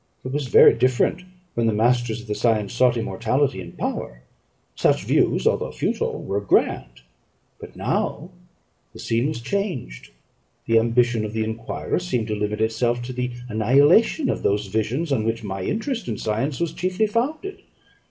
It was very different, when the masters of the science sought immortality and power; such views, although futile, were grand: but now the scene was changed. The ambition of the enquirer seemed to limit itself to the annihilation of those visions on which my interest in science was chiefly founded.